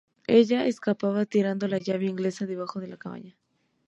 Ella escapa tirando la llave inglesa debajo de la cabaña.